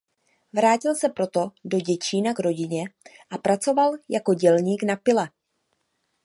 Vrátil se proto do Děčína k rodině a pracoval jako dělník na pile.